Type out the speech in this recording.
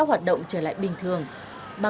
không dám đi chơi